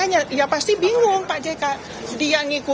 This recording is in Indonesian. ya pasti bingung pak jk